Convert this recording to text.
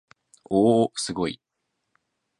おおおすごい